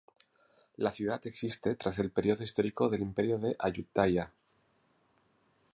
La ciudad existe tras el periodo histórico del imperio de Ayutthaya.